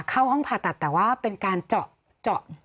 เข้าห้องผ่าตัดแต่ว่าเป็นการเจาะเจาะ